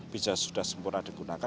bisa sudah sempurna digunakan